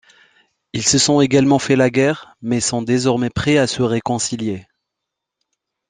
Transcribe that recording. Ils se sont également fait la guerre, mais sont désormais prêts à se réconcilier.